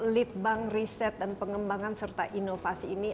lead bank riset dan pengembangan serta inovasi ini